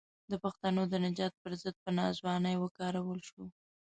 د پښتنو د نجات پر ضد په ناځوانۍ وکارول شو.